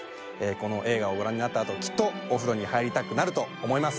この映画をご覧になったあときっとお風呂に入りたくなると思います。